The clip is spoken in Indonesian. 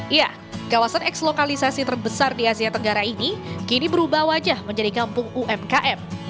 iya kawasan eks lokalisasi terbesar di asia tenggara ini kini berubah wajah menjadi kampung umkm